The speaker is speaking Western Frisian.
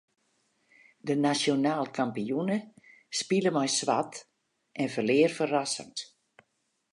De nasjonaal kampioene spile mei swart en ferlear ferrassend.